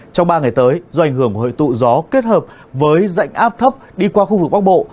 trong ba ngày tới do ảnh hưởng của hội tụ gió kết hợp với dạnh áp thấp đi qua khu vực bắc bộ